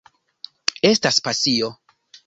Estas pasio.